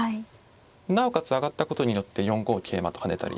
なおかつ上がったことによって４五桂馬と跳ねたり。